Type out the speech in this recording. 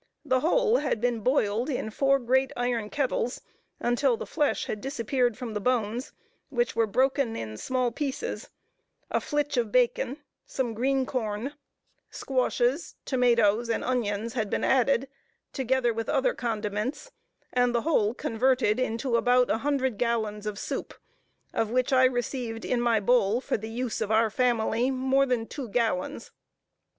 The whole had been boiled in four great iron kettles, until the flesh had disappeared from the bones, which were broken in small pieces a flitch of bacon, some green corn, squashes, tomatos, and onions had been added, together with other condiments, and the whole converted into about a hundred gallons of soup, of which I received in my bowl, for the use of our family, more than two gallons.